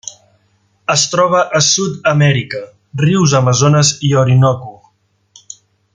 Es troba a Sud-amèrica: rius Amazones i Orinoco.